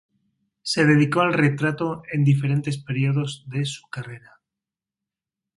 Se dedicó al retrato en diferentes periodos de su carrera.